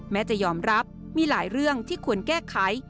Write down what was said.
จะยอมรับมีหลายเรื่องที่ควรแก้ไข